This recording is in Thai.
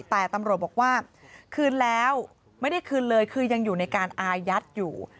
แต่ตำรวจบอกว่าคืนแล้วไม่ได้คืนเลยคือยังอยู่ในการอายัดอยู่